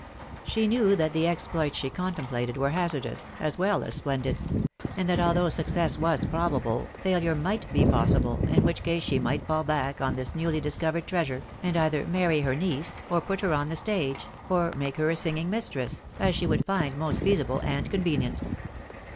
She knew that the exploits she contemplated were hazardous, as well as splendid; and that, although success was probable, failure might be possible, in which ca«e &e txw$v\. fcfiW*^ 274 THE WIDOW BJLBKAMT. upon this newly discorered treasure, and either many hi niece, or put her on the stage, or make her a •■faging muiB^ as she should find most feasible and convenient.